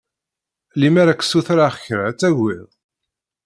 Lemmer ad k-ssutreɣ kra ad tagiḍ?